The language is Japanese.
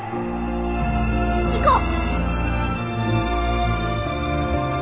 行こう！